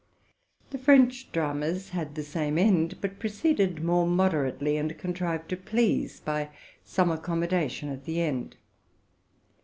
The French dramas had the same end, but proceeded more moderately, and contrived to please by some accommodation at the end.